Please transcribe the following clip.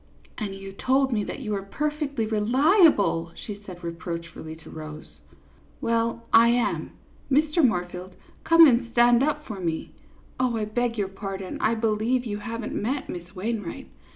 " And you told me that you were perfectly reli able !" she said, reproachfully, to Rose. "Well, I am. Mr. Moorfield, come and stand up for me. Oh, I beg your pardon, I believe you have n't met Miss Wainwright.